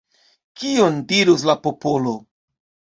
Kion dirus la popolo?